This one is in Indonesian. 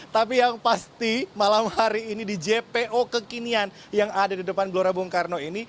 tapi yang pasti malam hari ini di jpo kekinian yang ada di depan gelora bung karno ini